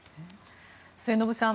末延さん